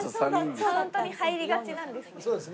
カウントに入りがちなんですね。